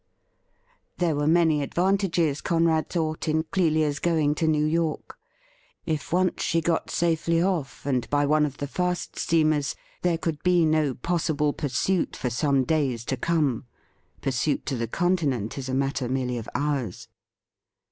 There were many advantages, Conrad thought, in Clelia's going to New York. If once she got safely off, and by one of the fast steamers, there could be no possible pursuit for some days to come. Pursuit to the Continent is a matter merely of hours.